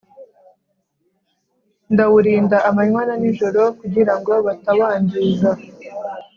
Ndawurinda amanywa n’ijoro, kugira ngo batawangiza.